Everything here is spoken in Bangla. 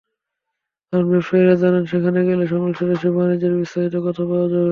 কারণ, ব্যবসায়ীরা জানেন, সেখানে গেলে সংশ্লিষ্ট দেশের বাণিজ্যের বিস্তারিত তথ্য পাওয়া যাবে।